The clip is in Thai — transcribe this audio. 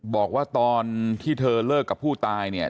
บอกว่าตอนที่เธอเลิกกับผู้ตายเนี่ย